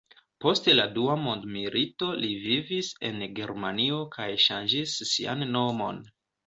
Post la dua mondmilito li vivis en Germanio kaj ŝanĝis sian nomon.